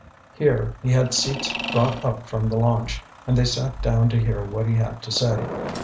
Here, he had seats brought up from the launch, and they sat down to hear what he had to say.